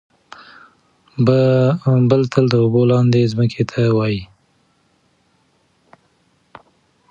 بل تل د اوبو لاندې ځمکې ته وايي.